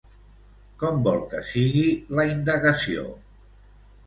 Com vol que sigui la indagació?